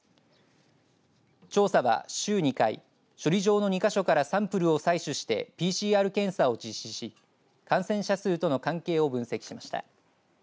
調査は、週２回処理場の２か所からサンプルを採取してＰＣＲ検査を実施し感染者数との関係を分析しました。